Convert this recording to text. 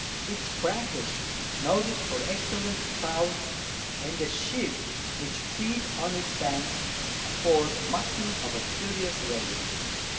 It is brackish, noted for excellent Trouts, and the Sheep which feed on its Banks, afford Mutton of a curious Relish.